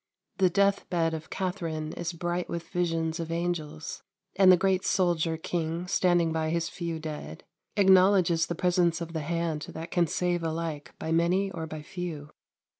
The death bed of Katharine is bright with visions of angels; and the great soldier king, standing by his few dead, acknowledges the presence of the hand that can save alike by many or by few.